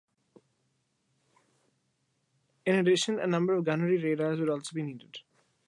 In addition a number of gunnery radars would also be needed.